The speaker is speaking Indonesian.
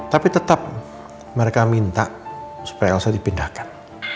tapi tetap mereka minta supaya elsa dipindahkan